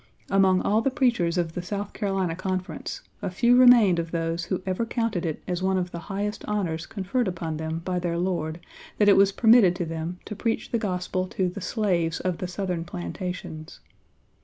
"Among all the preachers of the South Carolina Conference, a few remained of those who ever counted it as one of the highest honors conferred upon them by their Lord that it was permitted to them to preach the gospel to the slaves of the Southern plantations.